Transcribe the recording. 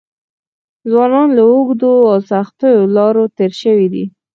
ځوانان له اوږدو او سختو لارو تېر شوي دي.